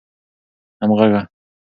همږغه